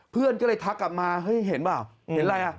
เพื่อนก็เลยทักกลับมาเฮ้ยเห็นเปล่าเห็นอะไรอ่ะ